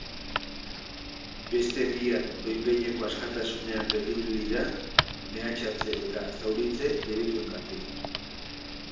Beste biak behin-behineko askatasunean gelditu dira, mehatxatze eta zauritze delituengatik.